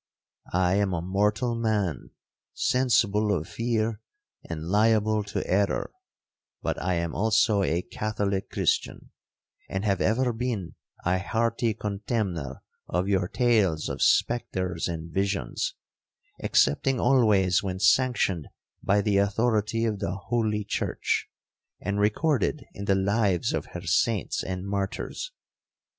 I am a mortal man, sensible of fear, and liable to error,—but I am also a Catholic Christian, and have ever been a hearty contemner of your tales of spectres and visions, excepting always when sanctioned by the authority of the holy church, and recorded in the lives of her saints and martyrs.